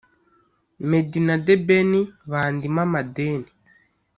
“Meddy na The Ben bandimo amadeni